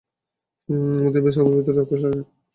আমাদের সবার ভেতর রাক্ষস আছে।